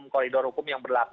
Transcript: koridor hukum yang berlaku